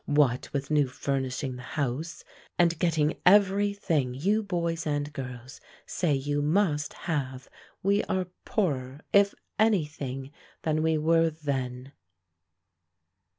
What with new furnishing the house, and getting every thing you boys and girls say you must have, we are poorer, if any thing, than we were then."